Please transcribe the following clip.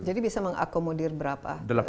jadi bisa mengakomodir berapa